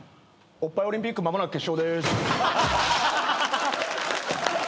オリンピック間もなく決勝でーす。